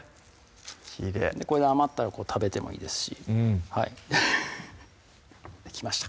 きれいこれで余ったら食べてもいいですしできました